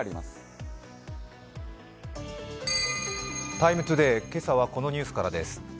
「ＴＩＭＥ，ＴＯＤＡＹ」、今朝はこのニュースからです。